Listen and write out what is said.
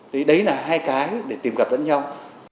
thì đấy là hai cái để tìm gặp lẫn nhau